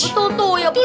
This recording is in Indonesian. betul tuh ya betul